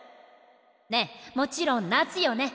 ねっもちろんなつよね？